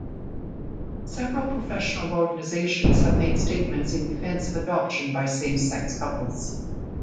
Several professional organizations have made statements in defense of adoption by same-sex couples.